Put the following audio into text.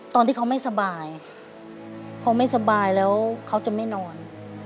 ตอนที่เขาไม่สบายพอไม่สบายแล้วเขาจะไม่นอน